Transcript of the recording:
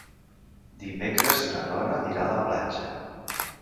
Dimecres na Nora anirà a la platja.